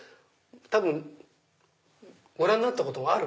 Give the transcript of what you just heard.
多分ご覧になったことがある。